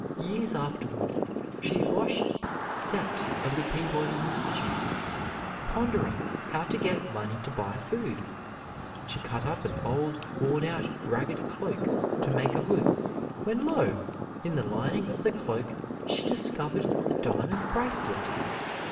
Years afterward she washed the steps of the Peabody Institute, pondering how to get money to buy food. She cut up an old, worn out, ragged cloak to make a hood, when lo! in the lining of the cloak she discovered the diamond bracelet.